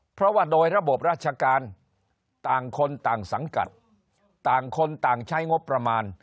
เพราะว่าโดยระบบราชการต่างคนต่างสังกัดต่างคนต่างใช้งบประมาณ